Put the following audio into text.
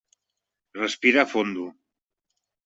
Respira fondo.